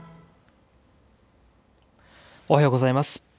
おはようございます。